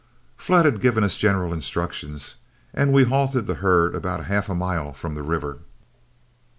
Flood had given us general instructions, and we halted the herd about half a mile from the river.